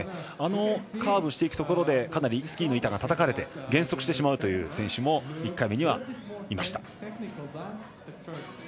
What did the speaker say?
カーブしていくところでかなりスキーの板がたたかれて減速してしまうという選手も１回目にはいました。